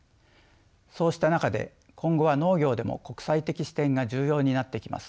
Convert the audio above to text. そうした中で今後は農業でも国際的視点が重要になってきます。